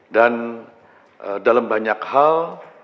dan dalam banyak hal